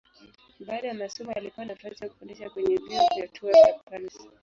Baada ya masomo alipewa nafasi ya kufundisha kwenye vyuo vya Tours na Paris.